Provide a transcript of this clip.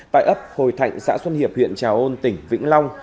tại ấp hồi thạnh xã xuân hiệp huyện trà ôn tỉnh vĩnh long